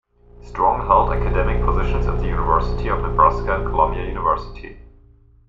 Strong held academic positions at the University of Nebraska and Columbia University.